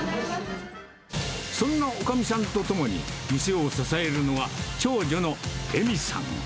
そんなおかみさんと共に店を支えるのは、長女の恵美さん。